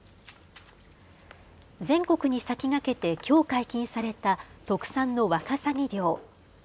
全国に先駆けてきょう解禁された特産のワカサギ漁。